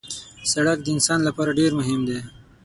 سړک د انسان لپاره ډېر مهم دی.